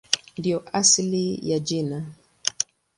Ndiyo asili ya jina.